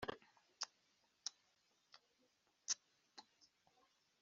Mufate ubwirinzi bw umubiri ko ari nk ikiringiti kirinda umubiri wawe